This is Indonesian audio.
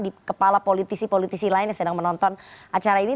di kepala politisi politisi lain yang sedang menonton acara ini